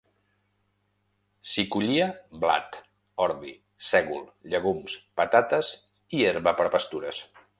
S'hi collia blat, ordi, sègol, llegums, patates i herba per a pastures.